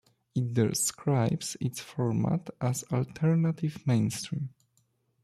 It describes its format as "alternative mainstream".